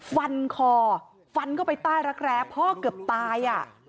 ฟันคอฟันก็ไปต้านรักแร้พ่อเกือบตาย